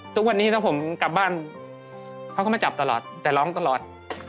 ทุกวันนี้ถ้าผมกลับบ้านเขาก็มาจับตลอดแต่ร้องตลอด